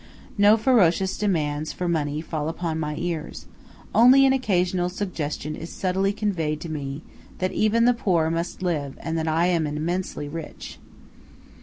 No ferocious demands for money fall upon my ears; only an occasional suggestion is subtly conveyed to me that even the poor must live and that I am immensely rich.